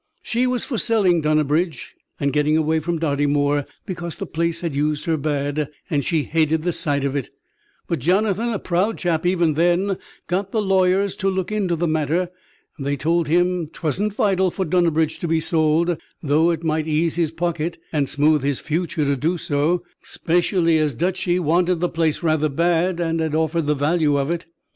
She was for selling Dunnabridge and getting away from Dartymoor, because the place had used her bad, and she hated the sight of it; but Jonathan, a proud chap even then, got the lawyers to look into the matter, and they told him that 'twasn't vital for Dunnabridge to be sold, though it might ease his pocket, and smooth his future to do so, 'specially as Duchy wanted the place rather bad, and had offered the value of it.